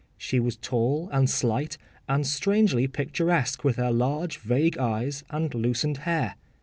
She was tall and slight, and strangely picturesque with her large vague eyes and loosened hair.